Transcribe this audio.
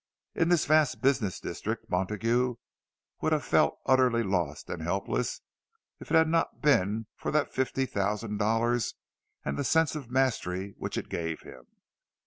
In this vast business district Montague would have felt utterly lost and helpless, if it had not been for that fifty thousand dollars, and the sense of mastery which it gave him.